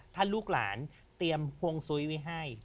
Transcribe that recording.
ถ้าลูกหลานเตรียมฮวงซุ้ยไว้ให้